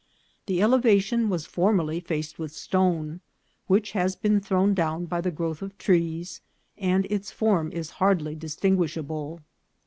This elevation was formerly faced with stone, which has been thrown down by the growth of trees, and its form is hardly distin guishable.